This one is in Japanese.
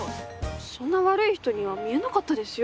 そんな悪い人には見えなかったですよ。